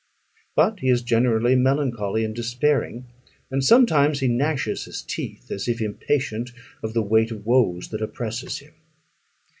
But he is generally melancholy and despairing; and sometimes he gnashes his teeth, as if impatient of the weight of woes that oppresses him.